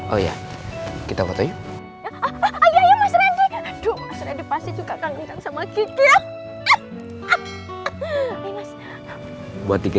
oh iya kita kota yuk